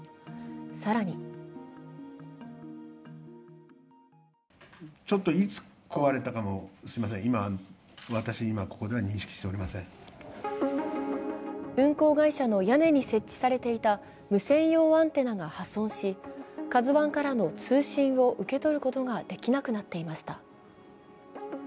更に運航会社の屋根に設置されていた無線用アンテナが破損し「ＫＡＺＵⅠ」からの通信を受け取ることができなくなっていました。